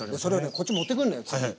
こっち持ってくんのよ次。